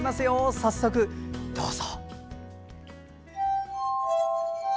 早速、どうぞ。